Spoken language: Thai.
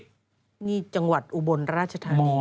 อันนี้คือเหตุการณ์ที่เกิดขึ้นกับเด็ก